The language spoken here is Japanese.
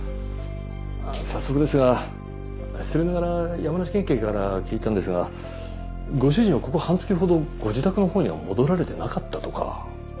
早速ですが失礼ながら山梨県警から聞いたんですがご主人はここ半月ほどご自宅のほうには戻られてなかったとか。